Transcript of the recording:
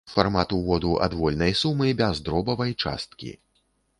Фармат уводу адвольнай сумы без дробавай часткі.